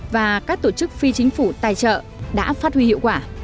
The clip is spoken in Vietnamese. và các tổ chức phi chính phủ tài trợ đã phát huy hiệu quả